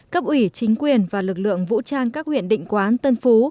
cấp ủy chính quyền và lực lượng vũ trang các huyện định quán tân phú